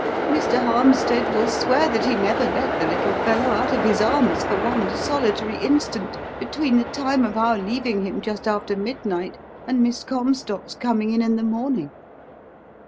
Mr. Harmstead will swear that he never let the little fellow out of his arms for one solitary instant between the time of our leaving him just after midnight, and Miss Comstock's coming in in the morning.